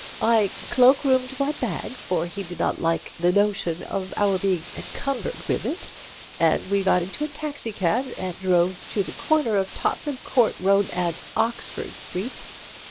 "I cloak roomed my bag, for he did not like the notion of our being encumbered with it, and we got into a taxicab and drove to the corner of Tottenham Court Road and Oxford Street.